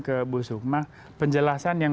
ke bu sukma penjelasan yang